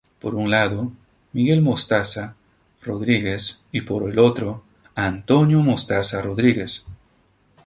Por un lado, Miguel Mostaza Rodríguez, y por el otro, Antonio Mostaza Rodríguez.